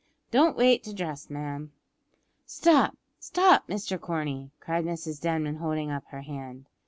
Don't wait to dress, ma'am." "Stop, stop, Mr Corney!" cried Mrs Denman, holding up her hand.